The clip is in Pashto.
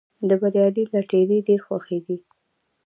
د بریالي لټیري ډېر خوښیږي.